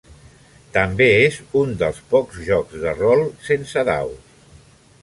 També és un dels pocs jocs de rol sense daus.